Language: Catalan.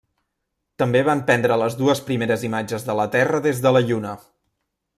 També van prendre les dues primeres imatges de la Terra des de la Lluna.